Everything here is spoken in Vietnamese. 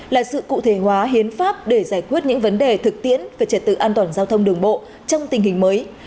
là sự cụ thể hóa hiến pháp để giải quyết những vấn đề thực tiễn về trật tự an toàn giao thông đường bộ trong tình hình mới